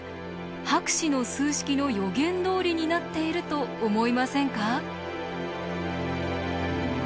博士の数式の予言どおりになっていると思いませんか？